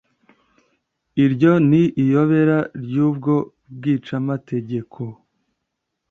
iryo ni iyobera ry'ubwo bwicamategeko